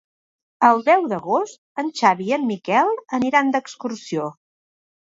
El deu d'agost en Xavi i en Miquel aniran d'excursió.